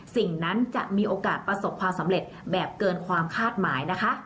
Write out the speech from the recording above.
สิ่งนั้นจะมีโอกาสประสบความสำเร็จแบบเกินความคาดหมายนะคะ